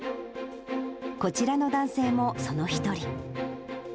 こちらの男性もその一人。